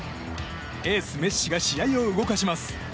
エース、メッシが試合を動かします。